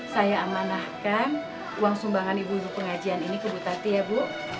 saya amanahkan uang sumbangan ibu ibu pengajian ini ke butati ya bu